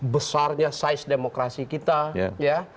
besarnya size demokrasi kita